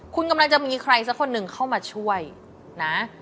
คุณกำลังจะมีใครสักคนหนึ่งเข้ามาช่วยนะ